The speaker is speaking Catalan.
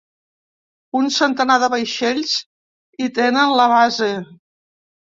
Un centenar de vaixells hi tenen la base.